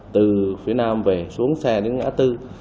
từ phía nam về xuống xe đến ngã tư